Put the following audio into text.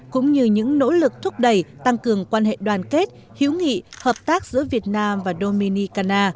cũng như những nỗ lực thúc đẩy tăng cường quan hệ đoàn kết hữu nghị hợp tác giữa việt nam và dominicana